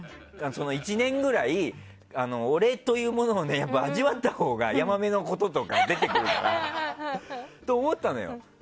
１年ぐらい俺というものを味わったほうがヤマメのこととか出てくるからって思ったのよ。